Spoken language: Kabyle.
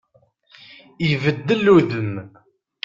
Ibeddel udem.